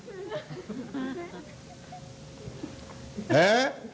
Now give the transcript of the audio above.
「えっ？